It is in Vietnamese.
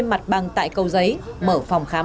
mặt bằng tại cầu giấy mở phòng khám